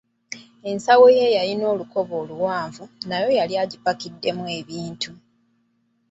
Ensawo ye eyalina olukoba oluwanvu, nayo yali agipakiddemu ebintu.